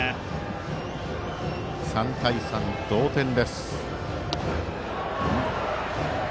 ３対３、同点です。